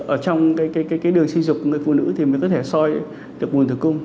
ở trong đường sinh dục của người phụ nữ thì mới có thể soi được buồn tử cung